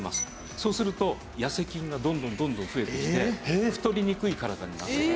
そうすると痩せ菌がどんどんどんどん増えてきて太りにくい体になる。